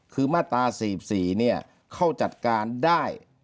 คือมาตรา๔๔เนี่ยเขาจัดการได้